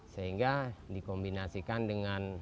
sehingga dikombinasikan dengan